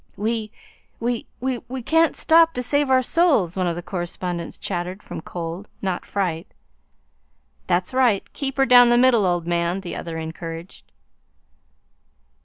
"W w we can't stop to save our souls!" one of the correspondents chattered, from cold, not fright. "That's right! Keep her down the middle, old man!" the other encouraged.